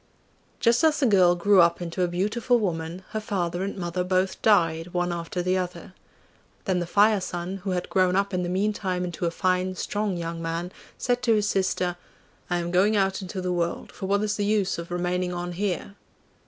Just as the girl grew up into a beautiful woman, her father and mother both died one after the other. Then the Fire son, who had grown up in the meantime into a fine, strong young man, said to his sister, 'I am going out into the world, for what is the use of remaining on here?